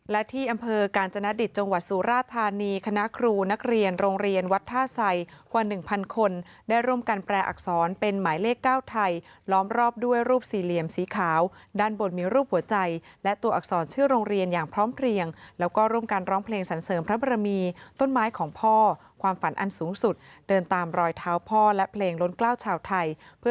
และที่อำเภอการจนดิตจงหวัดสุราธานีคณะครูนักเรียนโรงเรียนวัดท่าไซค์กว่า๑๐๐๐คนได้ร่วมกันแปลอักษรเป็นหมายเลข๙ไทยล้อมรอบด้วยรูปสี่เหลี่ยมสีขาวด้านบนมีรูปหัวใจและตัวอักษรชื่อโรงเรียนอย่างพร้อมเครียงแล้วก็ร่วมกันร้องเพลงสั่งเสริมพระบารมีต้นไม้ของพ่อความฝันอันสู